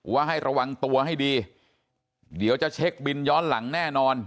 ว่าให้ระวังตัวให้ดีเดี๋ยวจะเช็คบินย้อนหลังแน่นอน